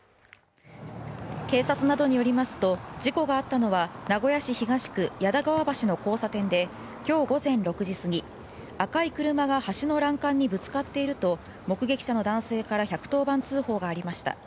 警察などによりますと、事故があったのは名古屋市東区、矢田川橋の交差点で今日午前６時過ぎ、赤い車が橋の欄干にぶらさがっていると目撃者の男性から１１０番通報がありました。